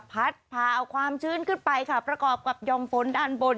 พัดพาเอาความชื้นขึ้นไปค่ะประกอบกับยอมฝนด้านบน